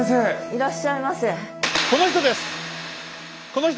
いらっしゃいませ！